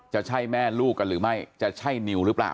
จะใช่แม่ลูกกันหรือไม่จะใช่นิวหรือเปล่า